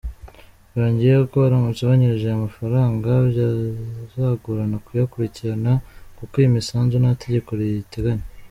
Yongeyeho ko baramutse banyereje aya mafaranga, byazagorana kuyakurikirana kuko iyi misanzu nta tegeko riyiteganya.